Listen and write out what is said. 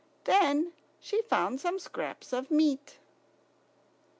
Then she found some scraps of meat.